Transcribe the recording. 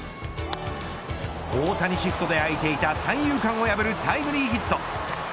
大谷シフトで空いていた三遊間を破るタイムリーヒット。